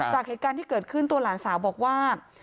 จากเหตุการณ์ที่เกิดขึ้นตัวหลานสาวบอกว่า